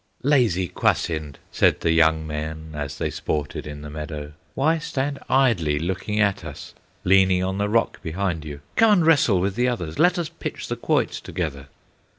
"Lazy Kwasind!" said the young men, As they sported in the meadow: "Why stand idly looking at us, Leaning on the rock behind you? Come and wrestle with the others, Let us pitch the quoit together!"